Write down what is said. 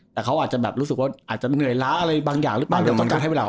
แต่เขาอาจจะแบบรู้สึกว่าอาจจะเหนื่อยล้าอะไรบางอย่างหรือเปล่า